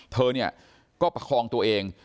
เธอเนี่ยก็ประคองตัวเอง